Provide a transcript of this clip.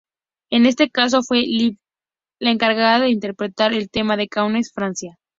En este caso, fue Lill-Babs la encargada de interpretar el tema en Cannes, Francia.